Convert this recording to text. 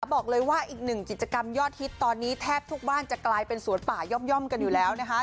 บอกเลยว่าอีกหนึ่งกิจกรรมยอดฮิตตอนนี้แทบทุกบ้านจะกลายเป็นสวนป่าย่อมกันอยู่แล้วนะคะ